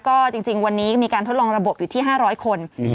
ก็จริงวันนี้มีการทดลองระบบอยู่ที่๕๐๐คน